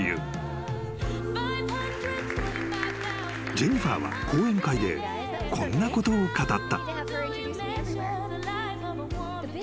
［ジェニファーは講演会でこんなことを語った］